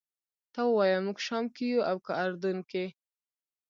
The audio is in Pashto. ته ووایه موږ شام کې یو او که اردن کې.